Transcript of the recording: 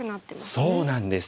そうなんです。